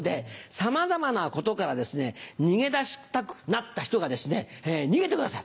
さまざまなことから逃げ出したくなった人がですね逃げてください。